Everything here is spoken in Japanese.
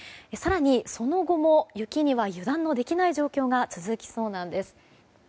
更に、その後も雪には油断のできない状況が続きそうなんです。